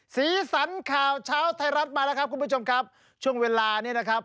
สีสันข่าวเช้าไทยรัฐมาแล้วครับคุณผู้ชมครับช่วงเวลานี้นะครับ